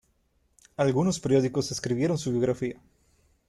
Algunos periódicos escribieron su biografía.